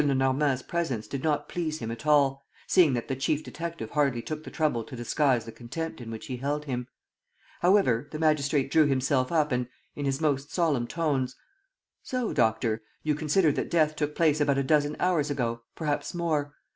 Lenormand's presence did not please him at all, seeing that the chief detective hardly took the trouble to disguise the contempt in which he held him. However, the magistrate drew himself up and, in his most solemn tones: "So, doctor, you consider that death took place about a dozen hours ago, perhaps more!